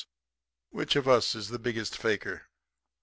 Which of us is the biggest fakir?'